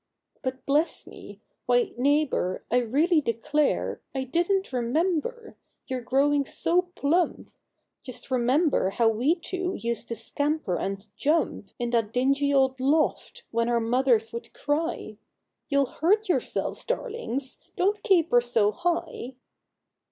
But bless me ! why, neighbor, I really declare, I didn't remember ! you're growing so plump ! Just think how we two used to scamper and jump In that dingy old loft — when our Mothers would cry: 'You'll hurt yourselves, darlings! don't caper so high